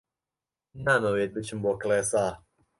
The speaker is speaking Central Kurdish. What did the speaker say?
نامەوێت بچم بۆ کڵێسا.